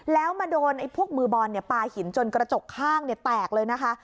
แล้วมาโดนพวกมือบอลปลาหินจนกระจกข้างแตกเลยนะคะ